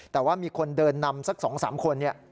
แต่ว่ามีคนเดินนำสัก๒๓คน